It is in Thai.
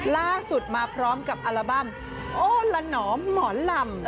ล่าสุดมาพร้อมกับอัลบั้มโอละหนอมหมอลำ